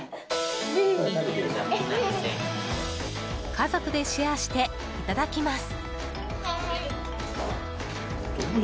家族でシェアしていただきます。